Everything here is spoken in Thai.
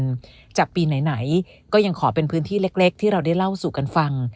หลังจากปีไหนก็ยังขอเป็นพื้นที่เล็กที่เราได้เล่าสู่กันฟัง